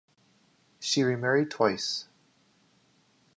She remarried twice.